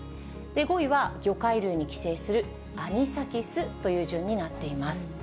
５位は魚介類に寄生するアニサキスという順になっています。